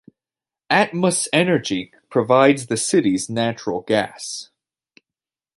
Atmos Energy provides the city's natural gas.